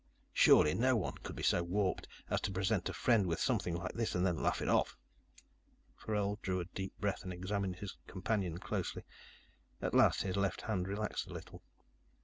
Surely, no one could be so warped as to present a friend with something like this and then to laugh it off?" Forell drew a deep breath and examined his companion closely. At last, his left hand relaxed a little.